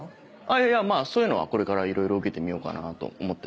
いやそういうのはこれからいろいろ受けてみようかなと思ってて。